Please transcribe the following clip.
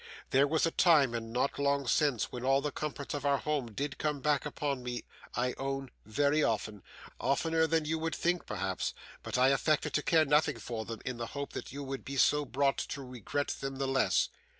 There was a time, and not long since, when all the comforts of our old home did come back upon me, I own, very often oftener than you would think perhaps but I affected to care nothing for them, in the hope that you would so be brought to regret them the less.